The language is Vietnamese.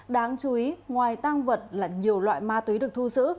đáng chú ý ngoài tang vật là nhiều loại ma túy được thu giữ